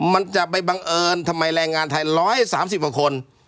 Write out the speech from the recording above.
มันจะไปบังเอิญทำไมแรงงานไทย๑๓๐กว่าคน